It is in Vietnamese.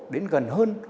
đến gần hơn